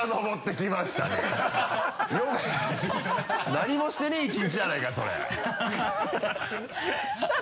何もしてねぇ１日じゃないかよ！